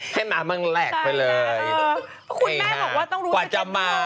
คุณแม่บอกว่าต้องรู้สักครั้งก่อน